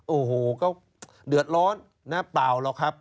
โอ้โหก็เดือดร้อนนะเปล่าหรอกครับ